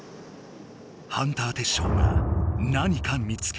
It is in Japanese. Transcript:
ハンターテッショウが何か見つけた。